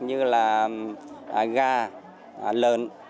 như là gà lợn